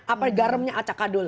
atau garamnya acak adul